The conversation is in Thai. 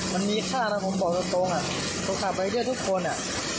มันมีค่าแล้วผมบอกตรงอ่ะคนขับไปด้วยทุกคนอ่ะ